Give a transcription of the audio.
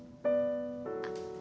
あっ。